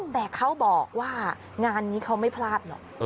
แต่เขาบอกว่างานนี้เขาไม่พลาดหรอก